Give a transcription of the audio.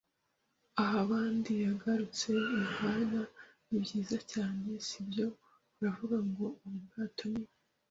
Ah, abandi! ” yagarutse Yohana. “Ni byiza cyane, si byo? Uravuga ngo ubu bwato ni